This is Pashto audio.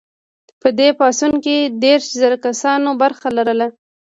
په دې پاڅون کې دیرش زره کسانو برخه لرله.